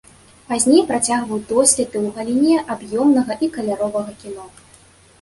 Пазней працягваў доследы ў галіне аб'ёмнага і каляровага кіно.